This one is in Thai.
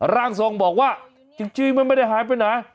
ร่างทรงบอกว่าจริงมันไม่ได้หายไปไหน